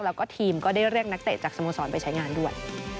แล้วก็ทีมก็ได้เรียกนักเตะจากสโมสรไปใช้งานด้วย